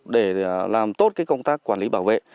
để làm tốt công tác quản lý bảo vệ